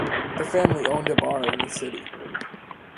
The family owned a bar in the city.